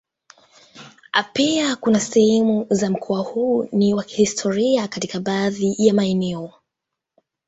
Pia kuna sehemu za mkoa huu ni wa kihistoria katika baadhi ya maeneo.